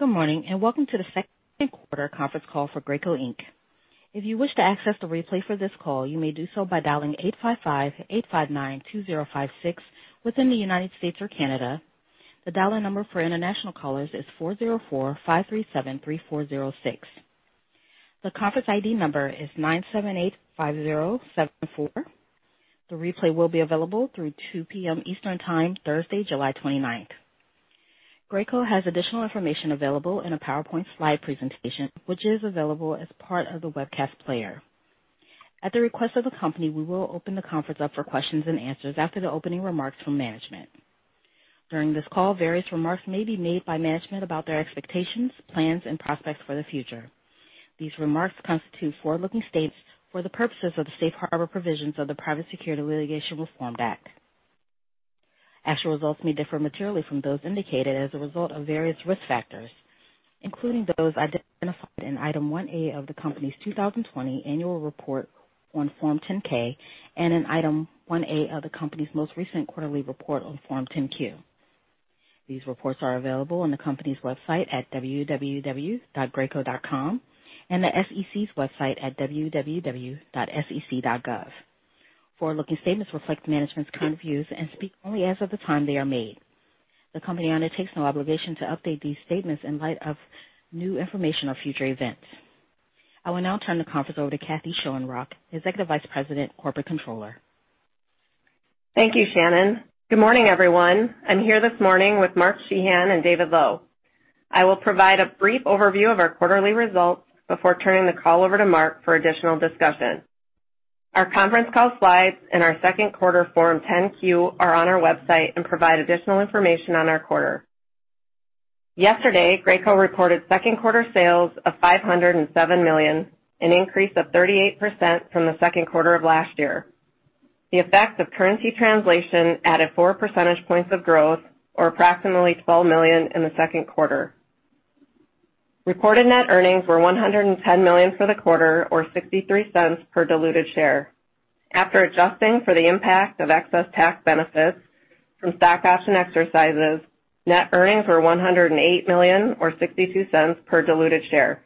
Good morning, and welcome to the Second Quarter Conference Call for Graco Inc. If you wish to access the replay for this call, you may do so by dialing 855 859 2056 within the United States or Canada. The dial-in number for international callers is (404) 537-3406. The conference ID number is 9785074. The replay will be available from -- through 2:00 p.m. Eastern Time, Thursday July 29th, 2021. Graco has additional information available in a PowerPoint slide presentation, which is Actual results may differ materially from those indicated as a result of various risk factors, including those identified in Item 1A of the company's 2020 annual report on Form 10-K and in Item 1A of the company's most recent quarterly report on Form 10-Q. These reports are available on the company's website at www.graco.com and the SEC's website at www.sec.gov. Forward-looking statements reflect management's current views and speak only as of the time they are made. The company undertakes no obligation to update these statements in light of new information or future events. I will now turn the conference over to Kathy Schoenrock, Executive Vice President, Corporate Controller. Thank you, Shannon. Good morning, everyone. I'm here this morning with Mark Sheahan and David Lowe. I will provide a brief overview of our quarterly results before turning the call over to Mark for additional discussion. Our conference call slides and our second quarter Form 10-Q are on our website and provide additional information on our quarter. Yesterday, Graco reported second quarter sales of $507 million, an increase of 38% from the second quarter of last year. The effect of currency translation added four percentage points of growth or approximately $12 million in the second quarter. Reported net earnings were $110 million for the quarter, or $0.63 per diluted share. After adjusting for the impact of excess tax benefits from stock option exercises, net earnings were $108 million or $0.62 per diluted share.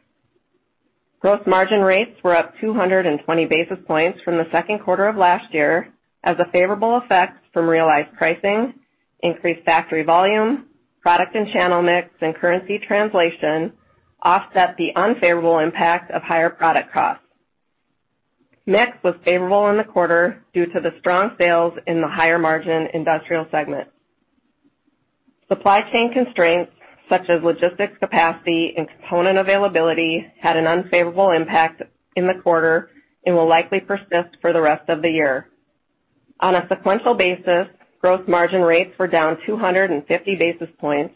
Gross margin rates were up 220 basis points from the second quarter of last year as a favorable effect from realized pricing, increased factory volume, product and channel mix, and currency translation offset the unfavorable impact of higher product costs. Mix was favorable in the quarter due to the strong sales in the higher margin industrial segment. Supply chain constraints such as logistics capacity and component availability, had an unfavorable impact in the quarter and will likely persist for the rest of the year. On a sequential basis, gross margin rates were down 250 basis points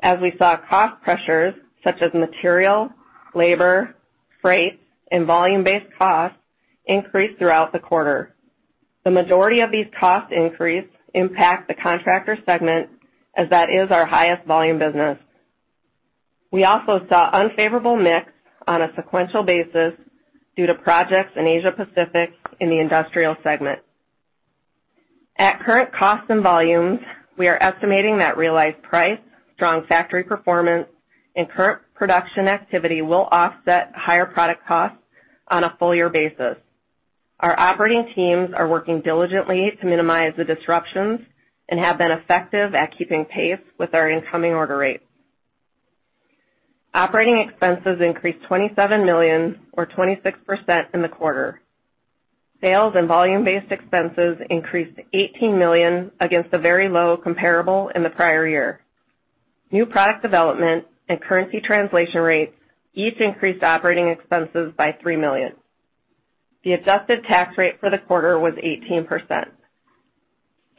as we saw cost pressures such as material, labor, freight, and volume-based costs increase throughout the quarter. The majority of these cost increase impact the contractor segment as that is our highest volume business. We also saw unfavorable mix on a sequential basis due to projects in Asia Pacific in the industrial segment. At current costs and volumes, we are estimating that realized price, strong factory performance, and current production activity will offset higher product costs on a full year basis. Our operating teams are working diligently to minimize the disruptions and have been effective at keeping pace with our incoming order rates. Operating expenses increased $27 million or 26% in the quarter. Sales and volume-based expenses increased $18 million against a very low comparable in the prior year. New product development and currency translation rates each increased operating expenses by $3 million. The adjusted tax rate for the quarter was 18%.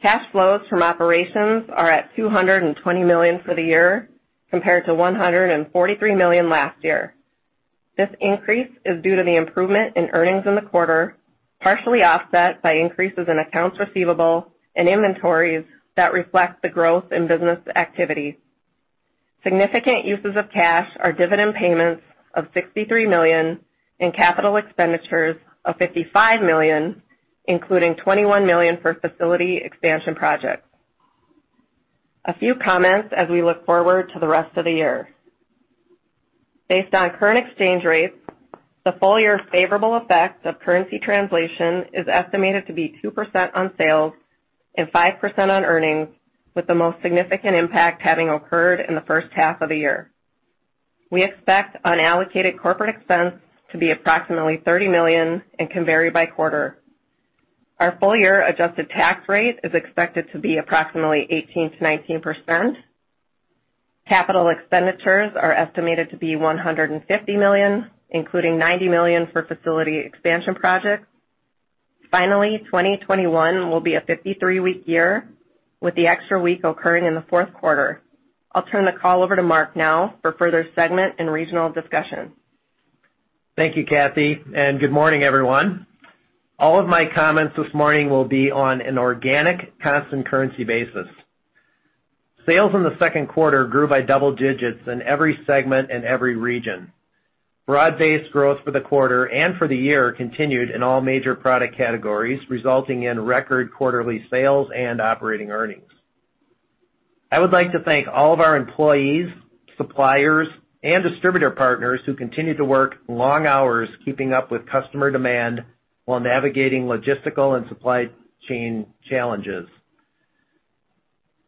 Cash flows from operations are at $220 million for the year, compared to $143 million last year. This increase is due to the improvement in earnings in the quarter, partially offset by increases in accounts receivable and inventories that reflect the growth in business activity. Significant uses of cash are dividend payments of $63 million and capital expenditures of $55 million, including $21 million for facility expansion projects. A few comments as we look forward to the rest of the year. Based on current exchange rates, the full-year favorable effect of currency translation is estimated to be 2% on sales and 5% on earnings, with the most significant impact having occurred in the first half of the year. We expect unallocated corporate expense to be approximately $30 million and can vary by quarter. Our full-year adjusted tax rate is expected to be approximately 18%-19%. Capital expenditures are estimated to be $150 million, including $90 million for facility expansion projects. Finally, 2021 will be a 53-week year, with the extra week occurring in the fourth quarter. I'll turn the call over to Mark now for further segment and regional discussion. Thank you, Kathy, and good morning, everyone. All of my comments this morning will be on an organic constant currency basis. Sales in the second quarter grew by double digits in every segment and every region. Broad-based growth for the quarter and for the year continued in all major product categories, resulting in record quarterly sales and operating earnings. I would like to thank all of our employees, suppliers, and distributor partners who continue to work long hours keeping up with customer demand while navigating logistical and supply chain challenges.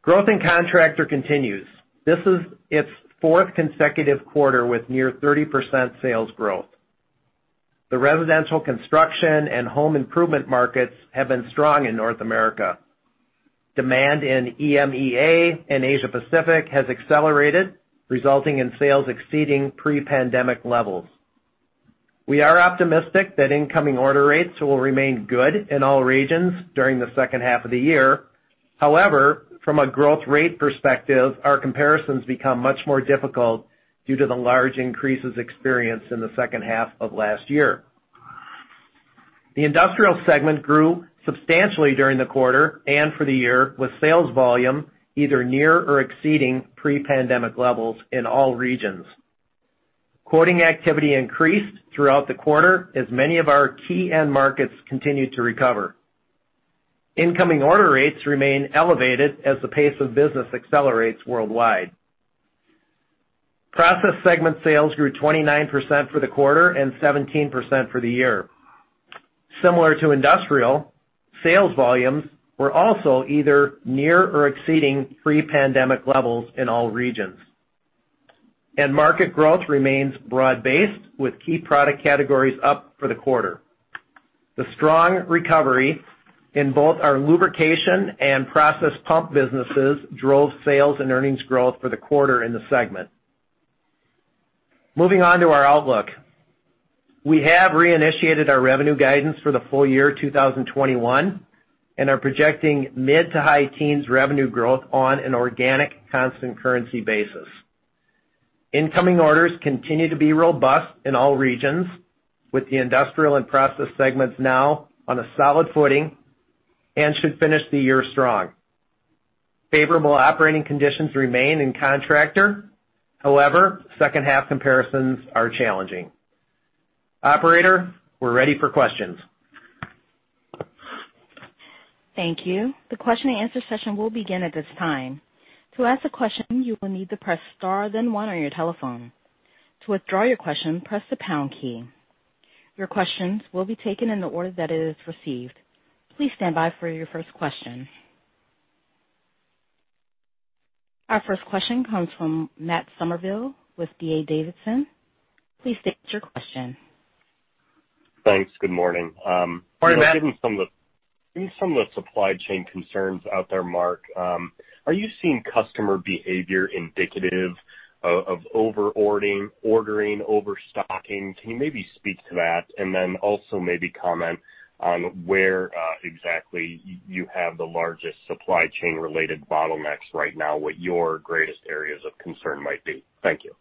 Growth in Contractor continues. This is its fourth consecutive quarter with near 30% sales growth. The residential construction and home improvement markets have been strong in North America. Demand in EMEA and Asia Pacific has accelerated, resulting in sales exceeding pre-pandemic levels. We are optimistic that incoming order rates will remain good in all regions during the second half of the year. However, from a growth rate perspective, our comparisons become much more difficult due to the large increases experienced in the second half of last year. The Industrial segment grew substantially during the quarter and for the year, with sales volume either near or exceeding pre-pandemic levels in all regions. Quoting activity increased throughout the quarter as many of our key end markets continued to recover. Incoming order rates remain elevated as the pace of business accelerates worldwide. Process segment sales grew 29% for the quarter and 17% for the year. Similar to Industrial, sales volumes were also either near or exceeding pre-pandemic levels in all regions, and market growth remains broad-based, with key product categories up for the quarter. The strong recovery in both our lubrication and process pump businesses drove sales and earnings growth for the quarter in the segment. Moving on to our outlook. We have reinitiated our revenue guidance for the full-year 2021 and are projecting mid to high teens revenue growth on an organic constant currency basis. Incoming orders continue to be robust in all regions, with the industrial and process segments now on a solid footing and should finish the year strong. Favorable operating conditions remain in Contractor. However, second-half comparisons are challenging. Operator, we're ready for questions. Thank you. The question and answer session will begin at this time. To ask a question you will need to press star then one on your telephone. To withdraw your question press the pound key. Your questions will be taken in the order that it is recieved. Please stand by for your first question. Our first question comes from Matt Summerville with D.A. Davidson. Please state your question. Thanks. Good morning. Morning, Matt. Given some of the supply chain concerns out there, Mark, are you seeing customer behavior indicative of over ordering, overstocking? Can you maybe speak to that? Also maybe comment on where exactly you have the largest supply chain-related bottlenecks right now, what your greatest areas of concern might be. Thank you.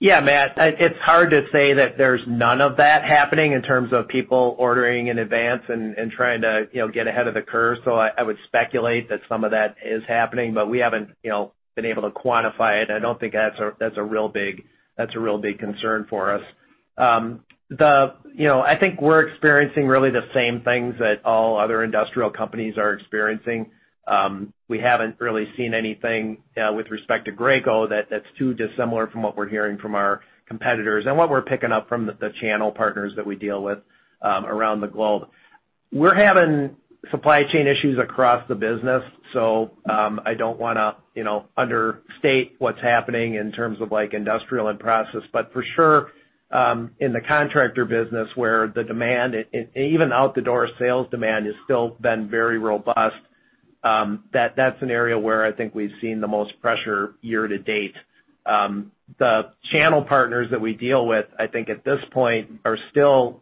Matt, it's hard to say that there's none of that happening in terms of people ordering in advance and trying to get ahead of the curve. I would speculate that some of that is happening, but we haven't been able to quantify it. I don't think that's a real big concern for us. I think we're experiencing really the same things that all other industrial companies are experiencing. We haven't really seen anything with respect to Graco that's too dissimilar from what we're hearing from our competitors and what we're picking up from the channel partners that we deal with around the globe. We're having supply chain issues across the business, so I don't want to understate what's happening in terms of industrial and process. For sure, in the contractor business, where the demand, even out the door sales demand has still been very robust. That's an area where I think we've seen the most pressure year-to-date. The channel partners that we deal with, I think at this point, are still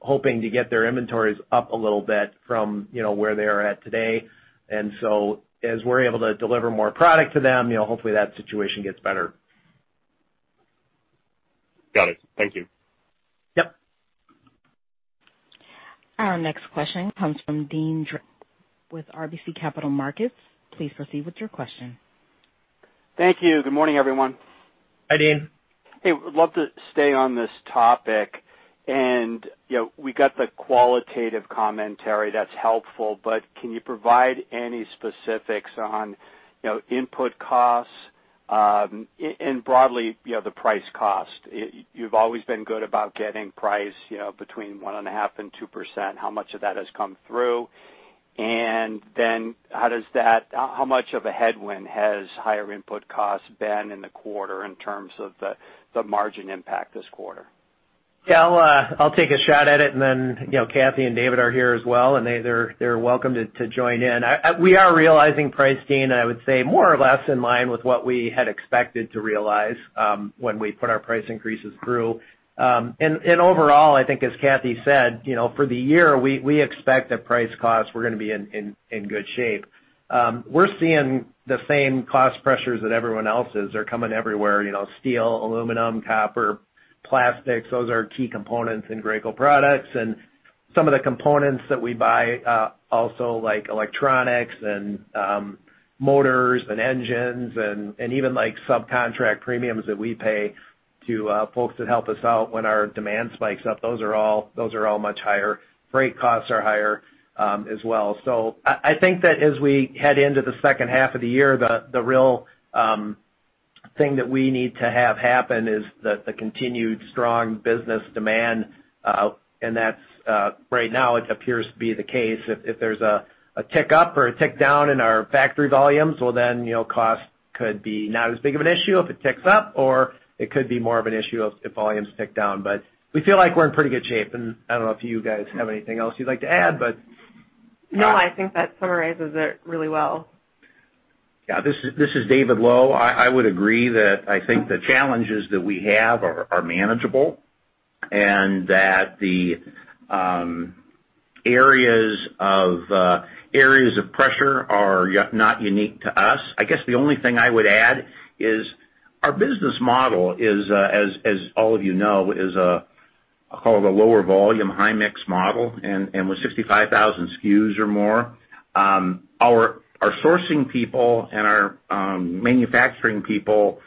hoping to get their inventories up a little bit from where they are at today. As we're able to deliver more product to them, hopefully that situation gets better. Got it. Thank you. Yep. Our next question comes from Deane Dray with RBC Capital Markets. Please proceed with your question. Thank you. Good morning, everyone. Hi, Deane. Hey, would love to stay on this topic. We got the qualitative commentary that's helpful, but can you provide any specifics on input costs and broadly the price cost? You've always been good about getting price between 1.5% and 2%. How much of that has come through? How much of a headwind has higher input costs been in the quarter in terms of the margin impact this quarter? Yeah. I'll take a shot at it, and then Kathy and David are here as well, and they're welcome to join in. We are realizing price, Deane, I would say more or less in line with what we had expected to realize when we put our price increases through. Overall, I think as Kathy said, for the year, we expect that price costs were going to be in good shape. We're seeing the same cost pressures that everyone else is. They're coming everywhere. Steel, aluminum, copper, plastics. Those are key components in Graco products. Some of the components that we buy, also, like electronics and motors and engines and even subcontract premiums that we pay to folks that help us out when our demand spikes up, those are all much higher. Freight costs are higher as well. I think that as we head into the second half of the year, the real thing that we need to have happen is the continued strong business demand, and that's, right now, it appears to be the case. If there's a tick up or a tick down in our factory volumes, well then, costs could be not as big of an issue if it ticks up or it could be more of an issue if volumes tick down. We feel like we're in pretty good shape. I don't know if you guys have anything else you'd like to add. No, I think that summarizes it really well. Yeah, this is David Lowe. I would agree that I think the challenges that we have are manageable and that the areas of pressure are not unique to us. I guess the only thing I would add is our business model, as all of you know, is called a lower volume, high mix model, and with 65,000 SKUs or more. Our sourcing people and our manufacturing people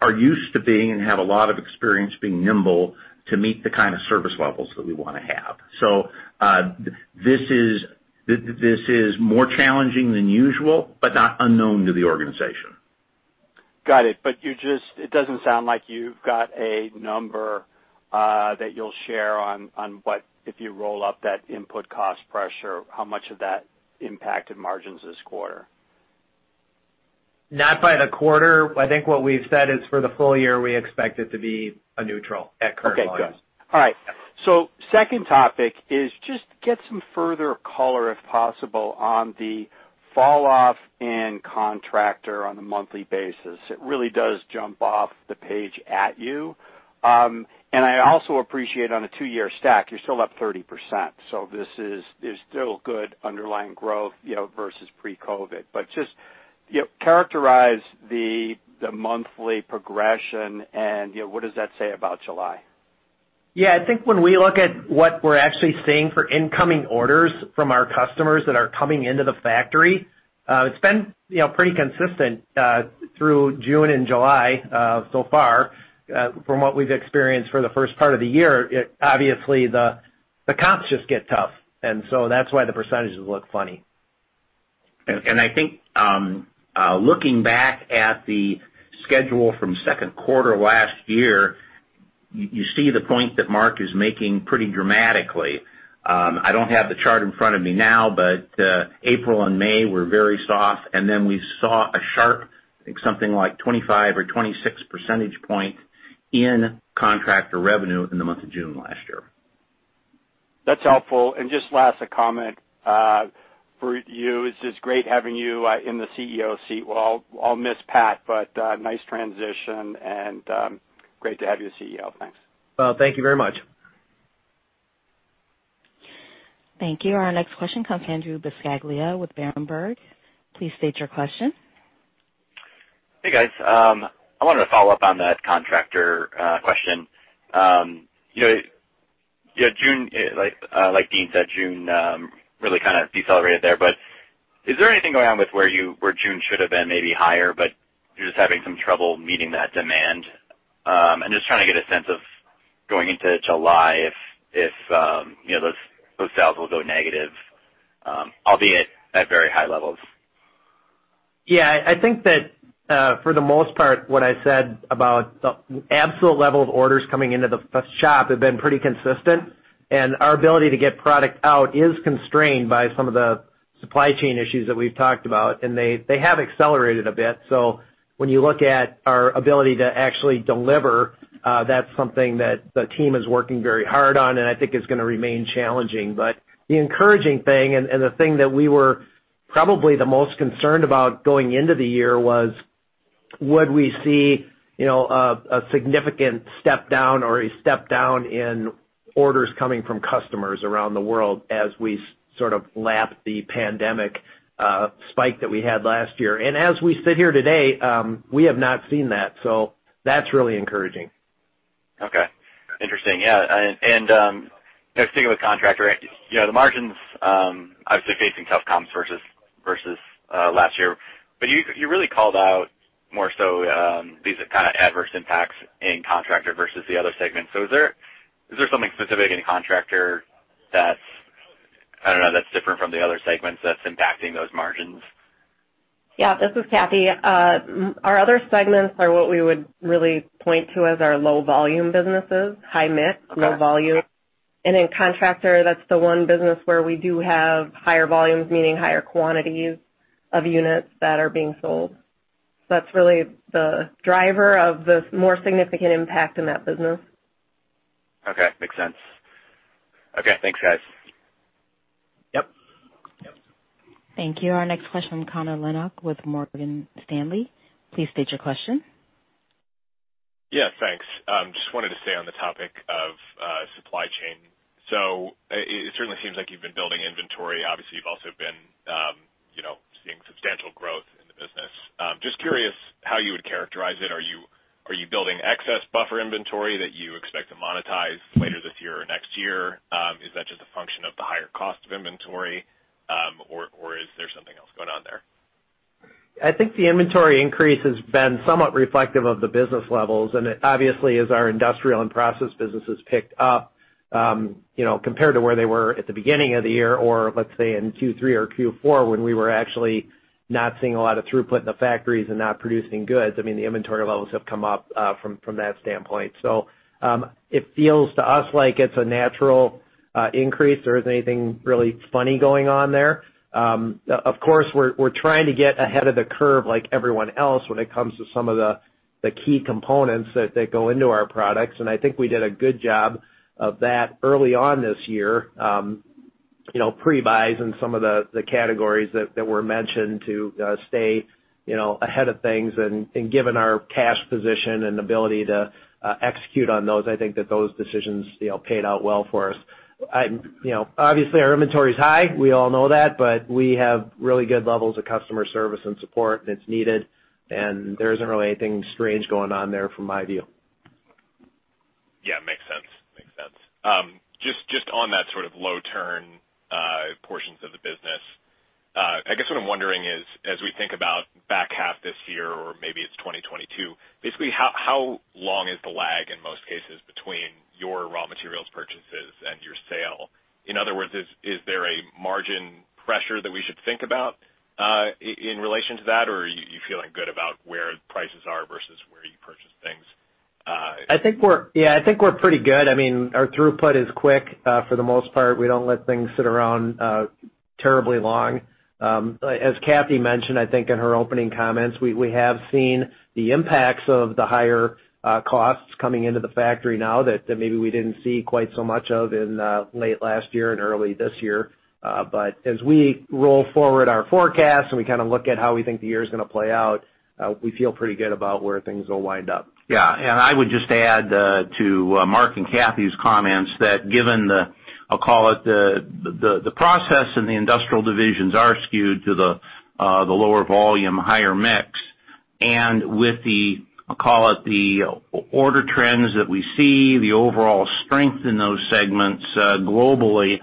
are used to being, and have a lot of experience being nimble to meet the kind of service levels that we want to have. This is more challenging than usual, but not unknown to the organization. Got it. It doesn't sound like you've got a number that you'll share on what, if you roll up that input cost pressure, how much of that impacted margins this quarter? Not by the quarter. I think what we've said is for the full-year, we expect it to be a neutral at current volumes. Okay, good. All right. Second topic is just to get some further color if possible on the fall off in contractor on a monthly basis. It really does jump off the page at you. I also appreciate on a two-year stack, you're still up 30%, so there's still good underlying growth versus pre-COVID. Just characterize the monthly progression and what does that say about July? Yeah, I think when we look at what we're actually seeing for incoming orders from our customers that are coming into the factory, it's been pretty consistent through June and July so far from what we've experienced for the first part of the year. Obviously, the comps just get tough. That's why the percentages look funny. I think looking back at the schedule from second quarter last year, you see the point that Mark is making pretty dramatically. I don't have the chart in front of me now, but April and May were very soft, and then we saw a sharp, I think something like 25 or 26 percentage point in contractor revenue in the month of June last year. That's helpful. Just last, a comment for you. It's just great having you in the CEO seat. Well, I'll miss Pat, but nice transition and great to have you as CEO. Thanks. Well, thank you very much. Thank you. Our next question comes Andrew Buscaglia with Berenberg. Please state your question. Hey, guys. I wanted to follow up on that contractor question. Like Deane said, June really kind of decelerated there, is there anything going on with where June should have been maybe higher, but you're just having some trouble meeting that demand? I'm just trying to get a sense of going into July if those sales will go negative, albeit at very high levels. Yeah, I think that for the most part, what I said about the absolute level of orders coming into the shop have been pretty consistent, and our ability to get product out is constrained by some of the supply chain issues that we've talked about, and they have accelerated a bit. When you look at our ability to actually deliver, that's something that the team is working very hard on and I think is going to remain challenging. The encouraging thing, and the thing that we were probably the most concerned about going into the year was would we see a significant step down or a step down in orders coming from customers around the world as we sort of lap the pandemic spike that we had last year. As we sit here today, we have not seen that. That's really encouraging. Okay. Interesting. Yeah. Sticking with contractor, the margins obviously facing tough comps versus last year. You really called out more so these kind of adverse impacts in contractor versus the other segments. Is there something specific in contractor that's, I don't know, that's different from the other segments that's impacting those margins? This is Kathy. Our other segments are what we would really point to as our low volume businesses, high mix, low volume. In Contractor, that's the one business where we do have higher volumes, meaning higher quantities of units that are being sold. That's really the driver of the more significant impact in that business. Okay. Makes sense. Okay, thanks, guys. Yep. Thank you. Our next question, Connor Lynagh with Morgan Stanley. Please state your question. Yeah, thanks. Just wanted to stay on the topic of supply chain. It certainly seems like you've been building inventory. Obviously, you've also been seeing substantial growth in the business. Just curious how you would characterize it. Are you building excess buffer inventory that you expect to monetize later this year or next year? Is that just a function of the higher cost of inventory, or is there something else going on there? I think the inventory increase has been somewhat reflective of the business levels. Obviously as our industrial and process businesses picked up, compared to where they were at the beginning of the year or, let's say, in Q3 or Q4 when we were actually not seeing a lot of throughput in the factories and not producing goods, the inventory levels have come up from that standpoint. It feels to us like it's a natural increase. There isn't anything really funny going on there. Of course, we're trying to get ahead of the curve like everyone else when it comes to some of the key components that go into our products. I think we did a good job of that early on this year. Pre-buys in some of the categories that were mentioned to stay ahead of things. Given our cash position and ability to execute on those, I think that those decisions paid out well for us. Obviously, our inventory's high. We all know that, but we have really good levels of customer service and support, and it's needed, and there isn't really anything strange going on there from my view. Yeah, makes sense. Just on that sort of low turn portions of the business, I guess what I'm wondering is, as we think about back half this year, or maybe it's 2022, basically, how long is the lag in most cases between your raw materials purchases and your sale? In other words, is there a margin pressure that we should think about in relation to that, or are you feeling good about where prices are versus where you purchase things? Yeah, I think we're pretty good. Our throughput is quick. For the most part, we don't let things sit around terribly long. As Kathy mentioned, I think in her opening comments, we have seen the impacts of the higher costs coming into the factory now that maybe we didn't see quite so much of in late last year and early this year. As we roll forward our forecast, and we kind of look at how we think the year's going to play out, we feel pretty good about where things will wind up. Yeah. I would just add to Mark and Kathy's comments that given the, I'll call it the Process and the Industrial divisions are skewed to the lower volume, higher mix, and with the, I'll call it the order trends that we see, the overall strength in those segments globally,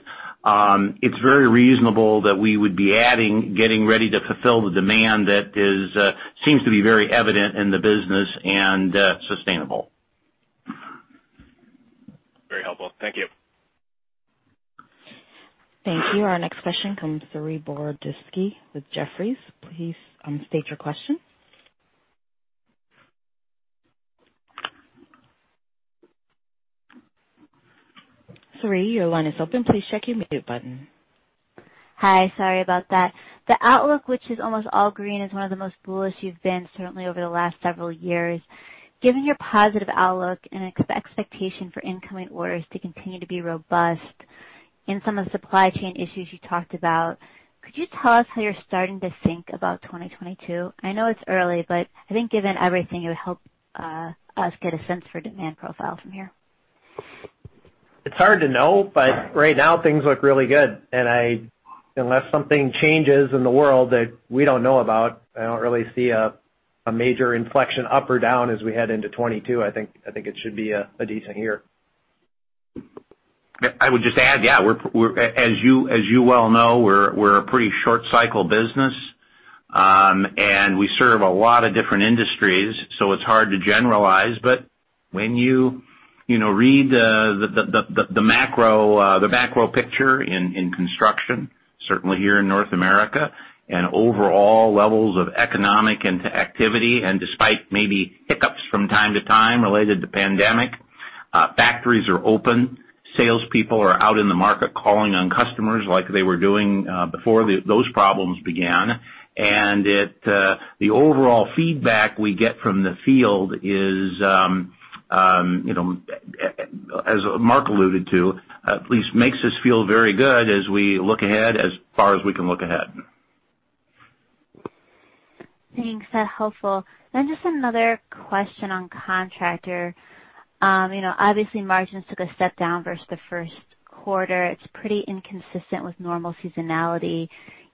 it's very reasonable that we would be adding, getting ready to fulfill the demand that seems to be very evident in the business and sustainable. Very helpful. Thank you. Thank you. Our next question comes from Saree Boroditsky with Jefferies. Please state your question. Saree, your line is open. Please check your mute button. Hi, sorry about that. The outlook, which is almost all green, is one of the most bullish you've been certainly over the last several years. Given your positive outlook and expectation for incoming orders to continue to be robust and some of the supply chain issues you talked about, could you tell us how you're starting to think about 2022? I know it's early, but I think given everything, it would help us get a sense for demand profile from here. It's hard to know, but right now things look really good, and unless something changes in the world that we don't know about, I don't really see a major inflection up or down as we head into 2022. I think it should be a decent year. I would just add, yeah, as you well know, we're a pretty short-cycle business. We serve a lot of different industries, so it's hard to generalize, but when you read the macro picture in construction, certainly here in North America, and overall levels of economic activity, and despite maybe hiccups from time to time related to pandemic, factories are open. Salespeople are out in the market calling on customers like they were doing before those problems began. The overall feedback we get from the field is, as Mark alluded to, at least makes us feel very good as we look ahead, as far as we can look ahead. Thanks. Helpful. Just another question on Contractor. Obviously, margins took a step down versus the first quarter. It's pretty inconsistent with normal seasonality.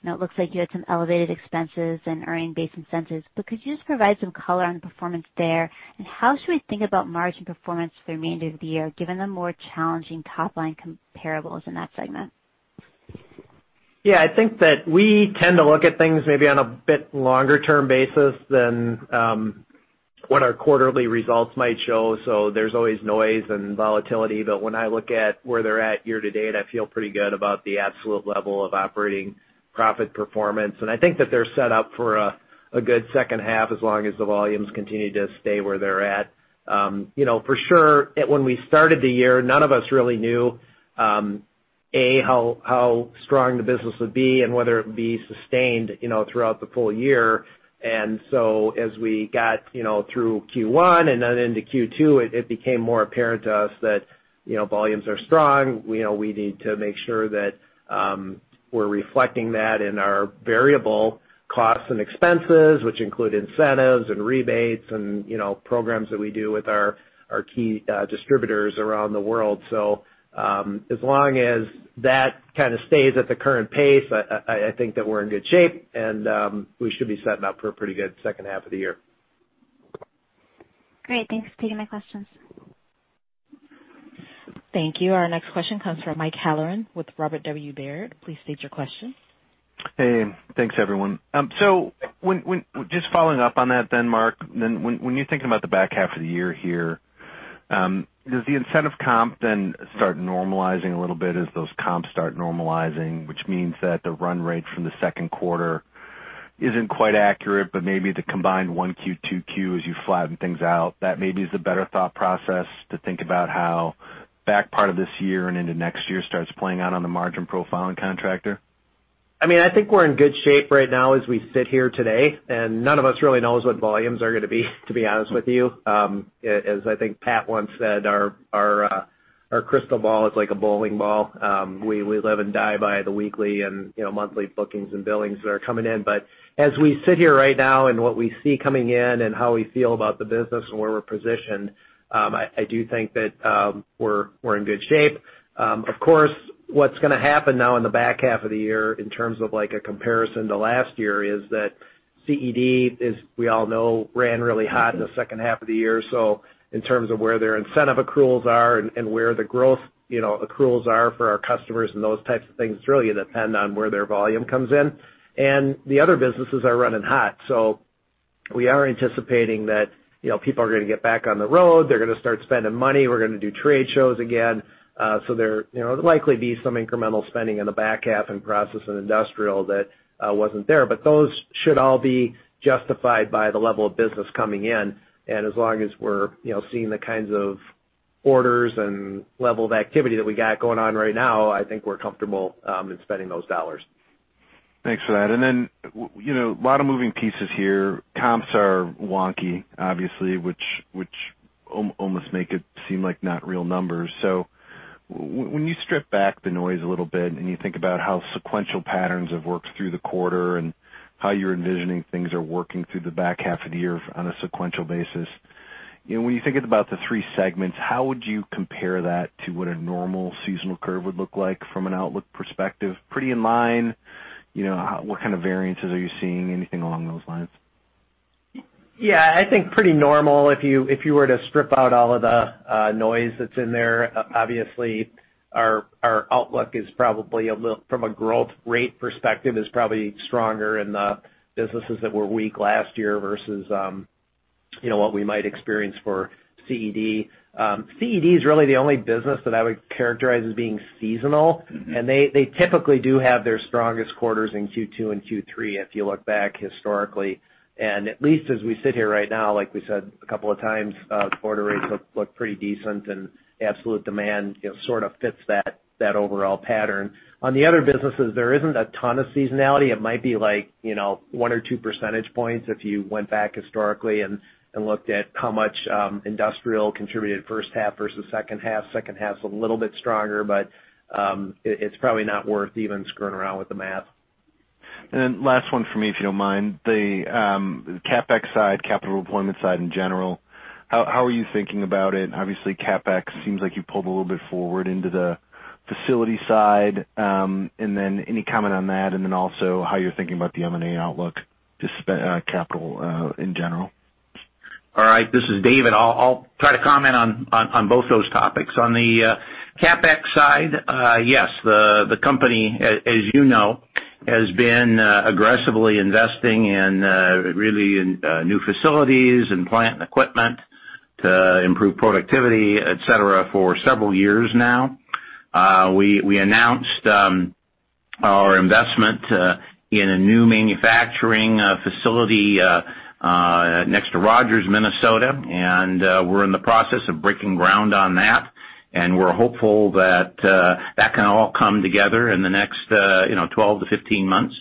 It looks like you had some elevated expenses and earning-based incentives. Could you just provide some color on the performance there? How should we think about margin performance for the remainder of the year, given the more challenging top-line comparables in that segment? Yeah, I think that we tend to look at things maybe on a bit longer-term basis than what our quarterly results might show. There's always noise and volatility, but when I look at where they're at year to date, I feel pretty good about the absolute level of operating profit performance, and I think that they're set up for a good second half as long as the volumes continue to stay where they're at. For sure, when we started the year, none of us really knew, A, how strong the business would be and whether it would be sustained throughout the full-year. As we got through Q1 and then into Q2, it became more apparent to us that volumes are strong. We need to make sure that we're reflecting that in our variable costs and expenses, which include incentives and rebates and programs that we do with our key distributors around the world. As long as that kind of stays at the current pace, I think that we're in good shape, and we should be setting up for a pretty good second half of the year. Great. Thanks for taking my questions. Thank you. Our next question comes from Mike Halloran with Robert W. Baird. Please state your question. Hey, thanks everyone. Just following up on that then, Mark, when you're thinking about the back half of the year here, does the incentive comp then start normalizing a little bit as those comps start normalizing, which means that the run rate from the second quarter isn't quite accurate, but maybe the combined 1Q, 2Q, as you flatten things out, that maybe is the better thought process to think about how back part of this year and into next year starts playing out on the margin profile and Contractor? I think we're in good shape right now as we sit here today. None of us really knows what volumes are going to be to be honest with you. As I think Pat once said, our crystal ball is like a bowling ball. We live and die by the weekly and monthly bookings and billings that are coming in. As we sit here right now and what we see coming in and how we feel about the business and where we're positioned, I do think that we're in good shape. Of course, what's going to happen now in the back half of the year in terms of a comparison to last year is that CED, as we all know, ran really hot in the second half of the year. In terms of where their incentive accruals are and where the growth accruals are for our customers and those types of things, it's really going to depend on where their volume comes in. The other businesses are running hot. We are anticipating that people are going to get back on the road. They're going to start spending money. We're going to do trade shows again. There'll likely be some incremental spending in the back half in Process and Industrial that wasn't there. Those should all be justified by the level of business coming in. As long as we're seeing the kinds of orders and level of activity that we got going on right now, I think we're comfortable in spending those dollars. Thanks for that. A lot of moving pieces here. Comps are wonky, obviously, which almost make it seem like not real numbers. When you strip back the noise a little bit and you think about how sequential patterns have worked through the quarter and how you're envisioning things are working through the back half of the year on a sequential basis, when you think about the three segments, how would you compare that to what a normal seasonal curve would look like from an outlook perspective? Pretty in line? What kind of variances are you seeing? Anything along those lines? Yeah, I think pretty normal if you were to strip out all of the noise that's in there. Obviously, our outlook from a growth rate perspective, is probably stronger in the businesses that were weak last year versus what we might experience for CED. CED is really the only business that I would characterize as being seasonal. They typically do have their strongest quarters in Q2 and Q3 if you look back historically. At least as we sit here right now, like we said a couple of times, order rates look pretty decent and absolute demand sort of fits that overall pattern. On the other businesses, there isn't a ton of seasonality. It might be one or two percentage points if you went back historically and looked at how much Industrial contributed first half versus second half. Second half's a little bit stronger, but it's probably not worth even screwing around with the math. Last one from me, if you don't mind. The CapEx side, capital deployment side in general, how are you thinking about it? Obviously, CapEx seems like you pulled a little bit forward into the facility side. Any comment on that, and then also how you're thinking about the M&A outlook, just capital in general. All right. This is Dave, and I'll try to comment on both those topics. On the CapEx side, yes, the company, as you know, has been aggressively investing in really new facilities and plant and equipment to improve productivity, et cetera, for several years now. We announced our investment in a new manufacturing facility next to Rogers, Minnesota, and we're in the process of breaking ground on that, and we're hopeful that can all come together in the next 12-15 months.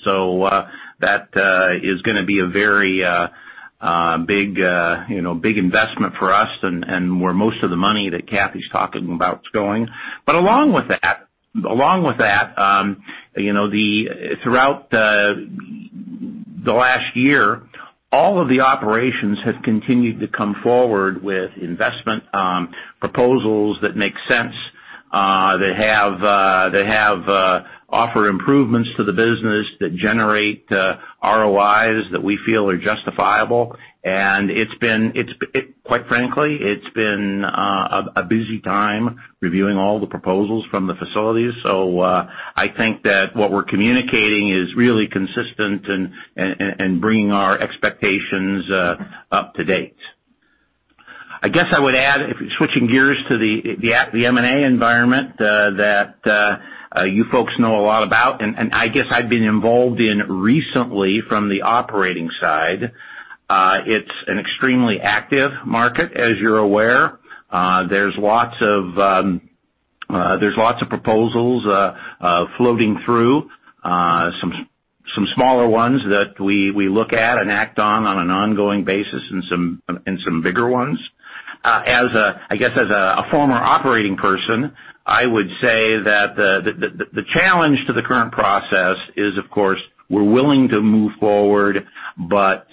That is gonna be a very big investment for us and where most of the money that Kathy's talking about is going. Along with that, throughout the last year, all of the operations have continued to come forward with investment proposals that make sense, that have offer improvements to the business that generate ROIs that we feel are justifiable. Quite frankly, it's been a busy time reviewing all the proposals from the facilities. I think that what we're communicating is really consistent and bringing our expectations up to date. I guess I would add, switching gears to the M&A environment that you folks know a lot about, and I guess I've been involved in recently from the operating side. It's an extremely active market, as you're aware. There's lots of proposals floating through. Some smaller ones that we look at and act on an ongoing basis, and some bigger ones. I guess as a former operating person, I would say that the challenge to the current process is, of course, we're willing to move forward, but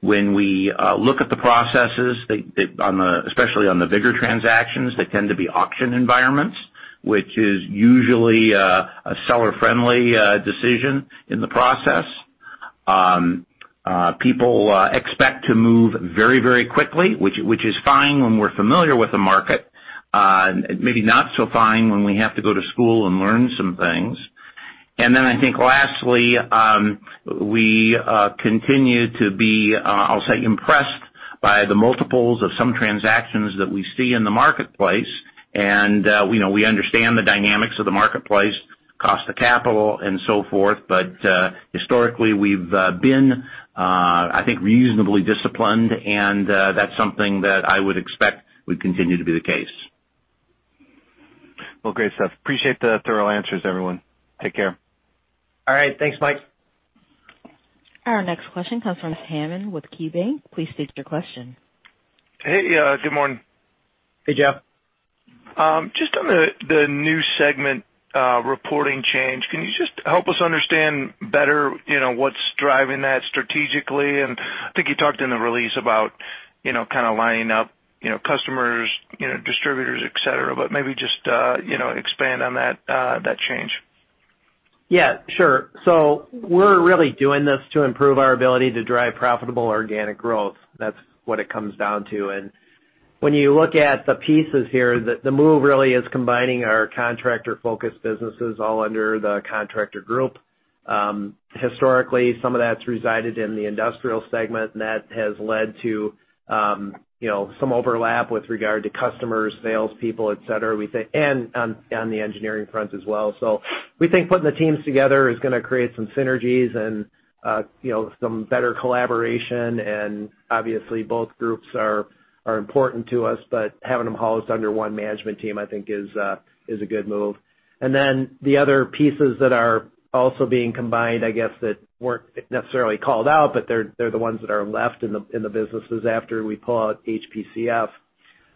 when we look at the processes, especially on the bigger transactions, they tend to be auction environments, which is usually a seller-friendly decision in the process. People expect to move very quickly, which is fine when we're familiar with the market. Maybe not so fine when we have to go to school and learn some things. I think lastly, we continue to be, I'll say, impressed by the multiples of some transactions that we see in the marketplace, and we understand the dynamics of the marketplace, cost of capital and so forth. Historically, we've been, I think, reasonably disciplined, and that's something that I would expect would continue to be the case. Well, great stuff. Appreciate the thorough answers, everyone. Take care. All right. Thanks, Mike. Our next question comes from Hammond with KeyBanc. Please state your question. Hey, good morning. Hey, Jeff. Just on the new segment reporting change, can you just help us understand better what's driving that strategically? I think you talked in the release about kind of lining up customers, distributors, et cetera, but maybe just expand on that change? Yeah, sure. We're really doing this to improve our ability to drive profitable organic growth. That's what it comes down to. When you look at the pieces here, the move really is combining our contractor-focused businesses all under the contractor group. Historically, some of that's resided in the industrial segment, and that has led to some overlap with regard to customers, salespeople, et cetera, and on the engineering front as well. We think putting the teams together is going to create some synergies and some better collaboration, and obviously both groups are important to us, but having them housed under one management team, I think is a good move. Then the other pieces that are also being combined, I guess, that weren't necessarily called out, but they're the ones that are left in the businesses after we pull out HPCF,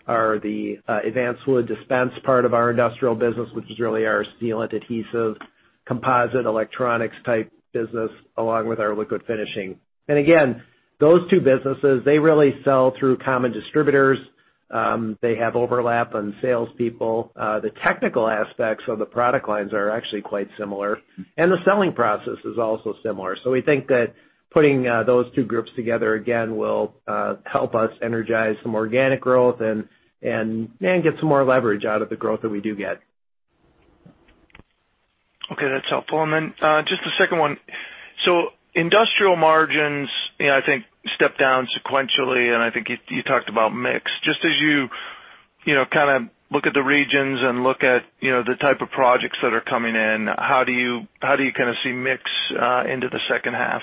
are the advanced fluid dispense part of our industrial business, which is really our sealant adhesive, composite, electronics type business, along with our liquid finishing. Again, those two businesses, they really sell through common distributors. They have overlap on salespeople. The technical aspects of the product lines are actually quite similar, and the selling process is also similar. We think that putting those two groups together, again, will help us energize some organic growth and get some more leverage out of the growth that we do get. Okay, that's helpful. Just the second one. Industrial margins, I think, stepped down sequentially, and I think you talked about mix. Just as you kind of look at the regions and look at the type of projects that are coming in, how do you kind of see mix into the second half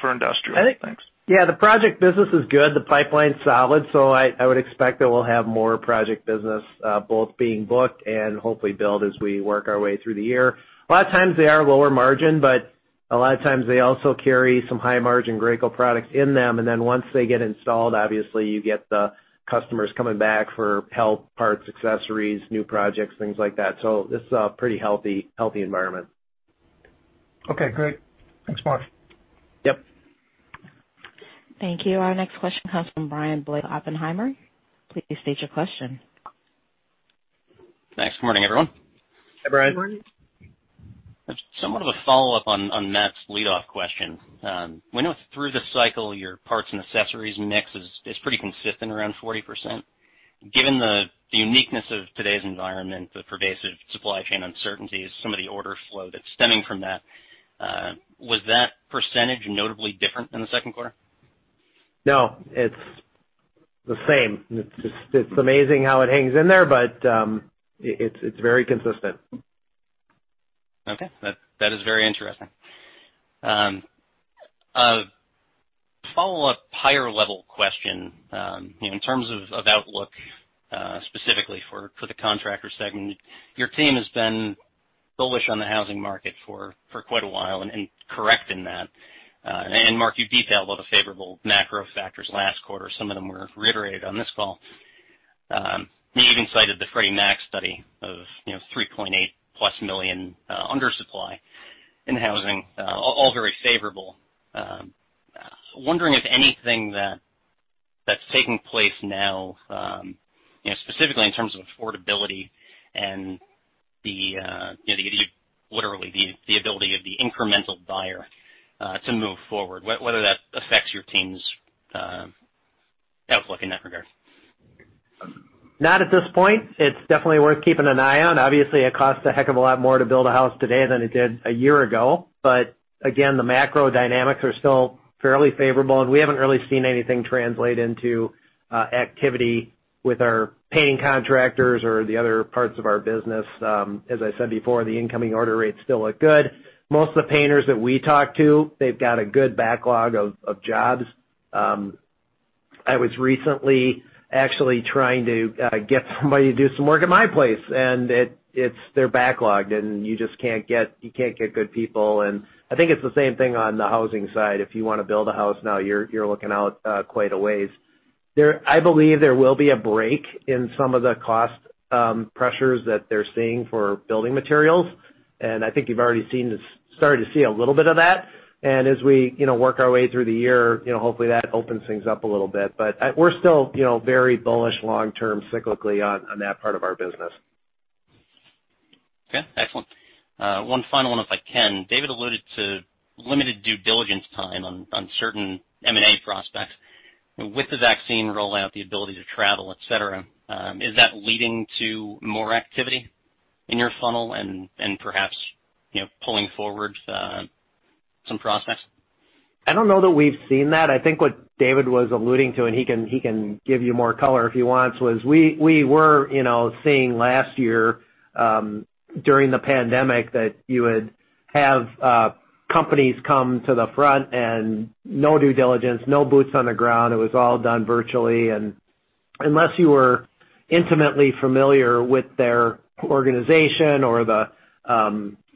for Industrial? Thanks. The project business is good, the pipeline's solid. I would expect that we'll have more project business both being booked and hopefully build as we work our way through the year. A lot of times they are lower margin, but a lot of times they also carry some high margin Graco products in them, and then once they get installed, obviously you get the customers coming back for help, parts, accessories, new projects, things like that. It's a pretty healthy environment. Okay, great. Thanks, Mark. Yep. Thank you. Our next question comes from Bryan Blair, Oppenheimer. Please state your question. Thanks. Good morning, everyone. Hi, Bryan. Good morning. Somewhat of a follow-up on Matt's lead off question. We know through the cycle your parts and accessories mix is pretty consistent around 40%. Given the uniqueness of today's environment, the pervasive supply chain uncertainties, some of the order flow that's stemming from that, was that percentage notably different in the second quarter? No, it's the same. It's amazing how it hangs in there, but it's very consistent. Okay. That is very interesting. A follow-up higher level question. In terms of outlook, specifically for the contractor segment, your team has been bullish on the housing market for quite a while, and correct in that. Mark, you detailed all the favorable macro factors last quarter. Some of them were reiterated on this call. You even cited the Freddie Mac study of 3.8-plus million undersupply in housing, all very favorable. Wondering if anything that's taking place now, specifically in terms of affordability and literally the ability of the incremental buyer to move forward, whether that affects your team's outlook in that regard. Not at this point. It's definitely worth keeping an eye on. Obviously, it costs a heck of a lot more to build a house today than it did a year ago. Again, the macro dynamics are still fairly favorable, and we haven't really seen anything translate into activity with our paint contractors or the other parts of our business. As I said before, the incoming order rates still look good. Most of the painters that we talk to, they've got a good backlog of jobs. I was recently actually trying to get somebody to do some work at my place, and they're backlogged, and you just can't get good people. I think it's the same thing on the housing side. If you want to build a house now, you're looking out quite a ways. I believe there will be a break in some of the cost pressures that they're seeing for building materials, and I think you've already started to see a little bit of that. As we work our way through the year, hopefully that opens things up a little bit. We're still very bullish long term cyclically on that part of our business. Okay, excellent. One final one, if I can. David alluded to limited due diligence time on certain M&A prospects. With the vaccine rollout, the ability to travel, et cetera, is that leading to more activity in your funnel and perhaps pulling forward some prospects? I don't know that we've seen that. I think what David was alluding to, and he can give you more color if he wants, was we were seeing last year, during the pandemic, that you would have companies come to the front and no due diligence, no boots on the ground. It was all done virtually. Unless you were intimately familiar with their organization or the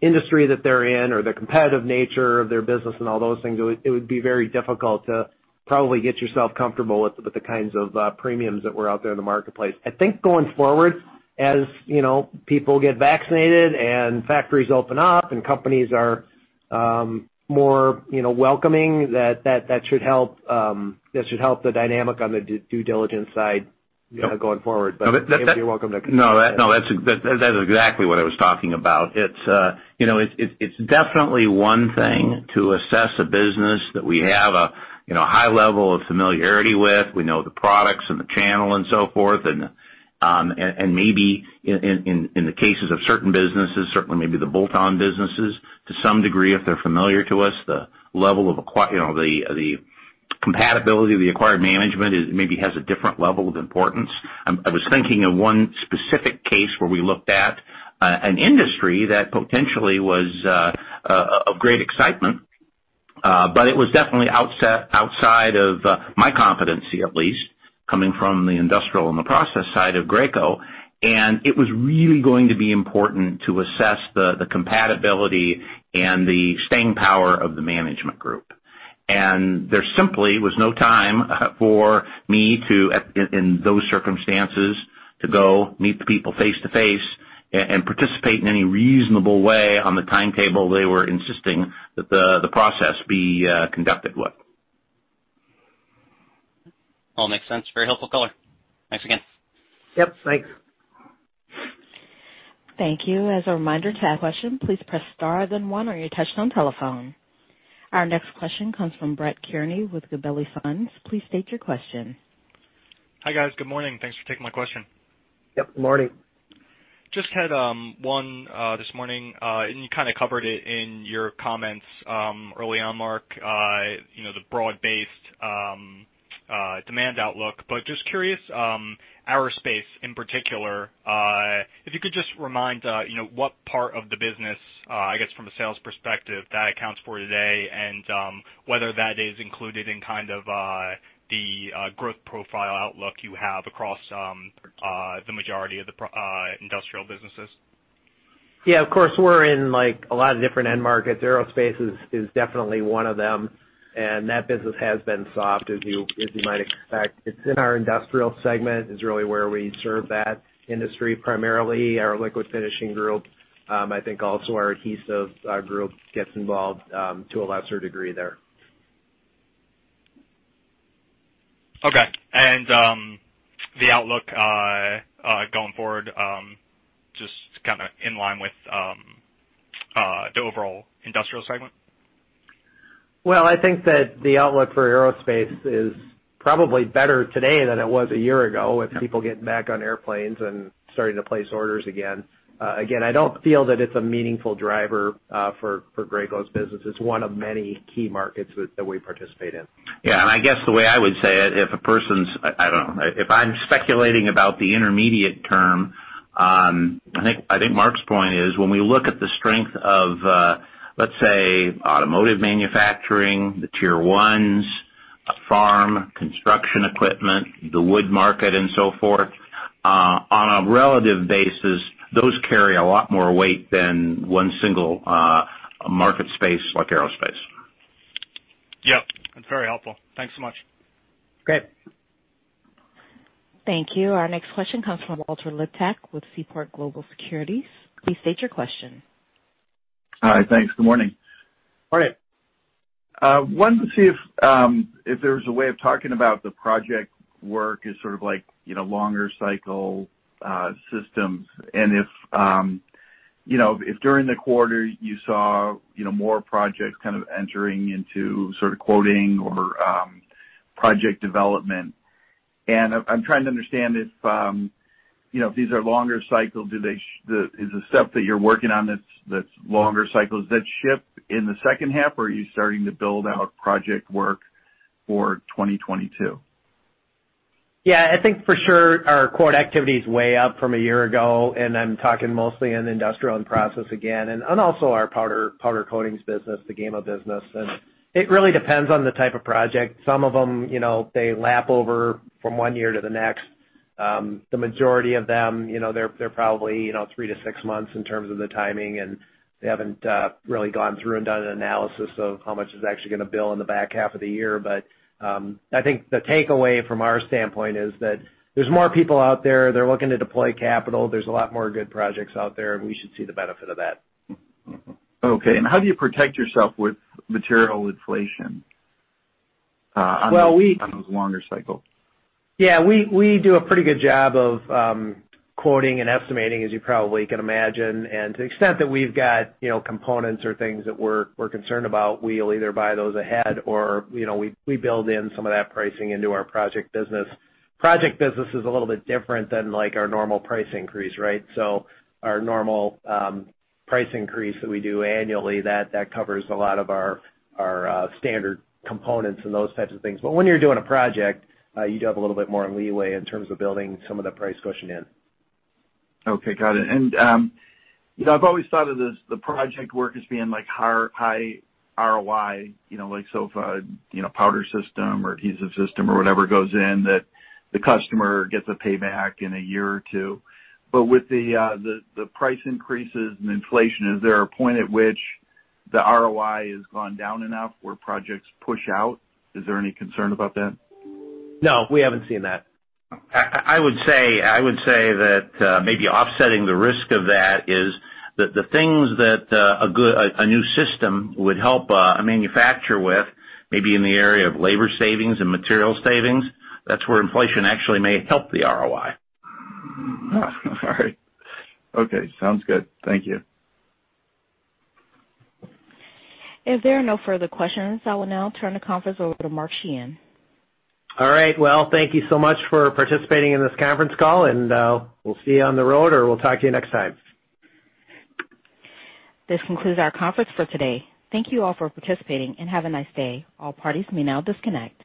industry that they're in or the competitive nature of their business and all those things, it would be very difficult to probably get yourself comfortable with the kinds of premiums that were out there in the marketplace. I think going forward, as people get vaccinated and factories open up and companies are more welcoming, that should help the dynamic on the due diligence side going forward. David, you're welcome to comment. No, that's exactly what I was talking about. It's definitely one thing to assess a business that we have a high level of familiarity with. We know the products and the channel and so forth, and maybe in the cases of certain businesses, certainly maybe the bolt-on businesses to some degree, if they're familiar to us, the level of the compatibility of the acquired management maybe has a different level of importance. I was thinking of one specific case where we looked at an industry that potentially was of great excitement, but it was definitely outside of my competency, at least coming from the Industrial and the Process side of Graco. It was really going to be important to assess the compatibility and the staying power of the management group. There simply was no time for me to, in those circumstances, to go meet the people face-to-face and participate in any reasonable way on the timetable they were insisting that the process be conducted with. All makes sense. Very helpful color. Thanks again. Yep, thanks. Thank you. As a reminder, to ask a question, please press star, then one on your touchtone telephone. Our next question comes from Brett Kearney with Gabelli Funds. Please state your question. Hi, guys. Good morning. Thanks for taking my question. Yep, good morning. Just had one this morning, and you kind of covered it in your comments early on, Mark, the broad-based demand outlook. Just curious, aerospace in particular, if you could just remind what part of the business, I guess from a sales perspective, that accounts for today and whether that is included in kind of the growth profile outlook you have across the majority of the industrial businesses. Yeah, of course, we're in a lot of different end markets. Aerospace is definitely one of them, and that business has been soft as you might expect. It's in our industrial segment is really where we serve that industry. Primarily our liquid finishing group. I think also our adhesive group gets involved to a lesser degree there. Okay. The outlook going forward just kind of in line with the overall industrial segment? Well, I think that the outlook for aerospace is probably better today than it was a year ago with people getting back on airplanes and starting to place orders again. Again, I don't feel that it's a meaningful driver for Graco's business. It's one of many key markets that we participate in. Yeah, I guess the way I would say it, if I'm speculating about the intermediate term, I think Mark's point is when we look at the strength of, let's say, automotive manufacturing, the Tier 1s, farm construction equipment, the wood market, and so forth, on a relative basis, those carry a lot more weight than one single market space like aerospace. Yep, that's very helpful. Thanks so much. Great. Thank you. Our next question comes from Walter Liptak with Seaport Global Securities. Please state your question. Hi. Thanks. Good morning. All right, wanted to see if there was a way of talking about the project work as sort of longer cycle systems, and if during the quarter you saw more projects kind of entering into sort of quoting or project development? I'm trying to understand if these are longer cycle, is the stuff that you're working on that's longer cycles that ship in the second half, or are you starting to build out project work for 2022? Yeah, I think for sure our quote activity is way up from a year ago, and I'm talking mostly in industrial and process again, and also our powder coatings business, the Gema business, and it really depends on the type of project. Some of them, they lap over from one year to the next. The majority of them, they're probably three to six months in terms of the timing, and they haven't really gone through and done an analysis of how much is actually gonna bill in the back half of the year. I think the takeaway from our standpoint is that there's more people out there. They're looking to deploy capital. There's a lot more good projects out there, and we should see the benefit of that. Okay, how do you protect yourself with material inflation? Well, we- On those longer cycles? Yeah, we do a pretty good job of quoting and estimating, as you probably can imagine. To the extent that we've got components or things that we're concerned about, we'll either buy those ahead or we build in some of that pricing into our project business. Project business is a little bit different than our normal price increase, right? Our normal price increase that we do annually, that covers a lot of our standard components and those types of things. When you're doing a project, you do have a little bit more leeway in terms of building some of the price cushion in. Okay, got it. I've always thought of the project work as being high ROI, like so if a powder system or adhesive system or whatever goes in that the customer gets a payback in a year or two. With the price increases and inflation, is there a point at which the ROI has gone down enough where projects push out? Is there any concern about that? No, we haven't seen that. I would say that maybe offsetting the risk of that is that the things that a new system would help a manufacturer with, maybe in the area of labor savings and material savings, that's where inflation actually may help the ROI. All right. Okay, sounds good. Thank you. If there are no further questions, I will now turn the conference over to Mark Sheahan. All right. Well, thank you so much for participating in this conference call, and we'll see you on the road, or we'll talk to you next time. This concludes our conference for today. Thank you all for participating, and have a nice day. All parties may now disconnect.